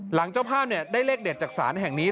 เจ้าภาพได้เลขเด็ดจากศาลแห่งนี้